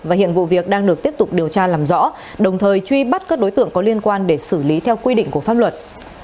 và hiện vụ việc đang được tiếp tục điều tra làm rõ đồng thời truy bắt các đối tượng có liên quan để xử lý theo quy định của pháp luật